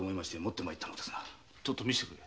ちょっと見せてくれ。